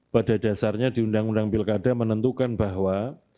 pada dasarnya di undang undang pilkada menentukan bahwa